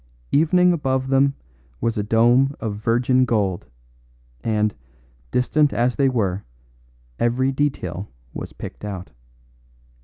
Evening above them was a dome of virgin gold, and, distant as they were, every detail was picked out.